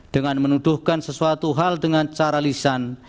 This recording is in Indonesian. dengan menuduhkan sesuatu hal dengan cara lisan